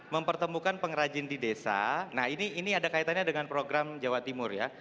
mempertemukan pengrajin di desa nah ini ada kaitannya dengan program jawa timur ya